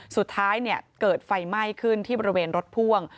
สุดท้ายเกิดไฟไหม้ขึ้นที่บริเวณรถพ่วง